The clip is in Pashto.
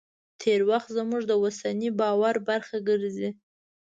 تېر وخت زموږ د اوسني باور برخه ګرځي.